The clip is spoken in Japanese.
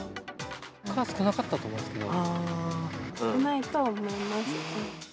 蚊、少なかったと思いますけ少ないとは思います。